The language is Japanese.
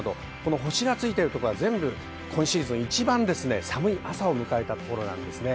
星がついてるところは全部、今シーズン一番寒い朝を迎えたところです。